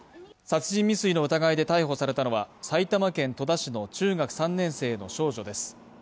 殺人未遂の疑いで逮捕されたのは埼玉県戸田市の中学３年生の少女です。